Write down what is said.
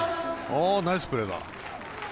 ナイスプレーだ。